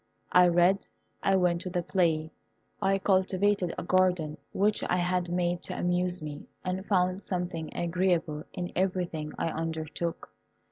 I read, I went to the play, I cultivated a garden which I had made to amuse me, and found something agreeable in everything I undertook.